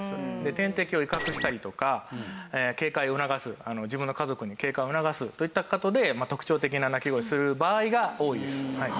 天敵を威嚇したりとか警戒を促す自分の家族に警戒を促すといった事で特徴的な鳴き声をする場合が多いです。